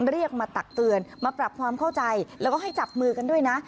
เรียกมาตักเตือนมาปรับความเข้าใจแล้วก็ให้จับมือกันด้วยนะ